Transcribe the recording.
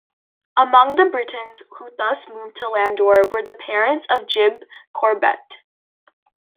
Among the Britons who thus moved to Landour were the parents of Jim Corbett.